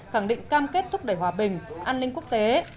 khẳng định cam kết thúc đẩy hòa bình an ninh quốc tế